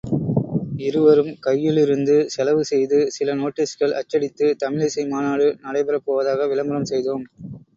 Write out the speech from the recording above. இருவரும் கையிலிருந்து செலவு செய்து சில நோட்டீஸ்கள் அச்சடித்து தமிழிசை மாநாடு நடைபெறப் போவதாக விளம்பரம் செய்தோம்.